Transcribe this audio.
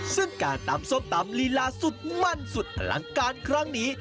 ซึ่งการตำส้มตำลีลาสุดมั่นสุดอลังการครั้งนี้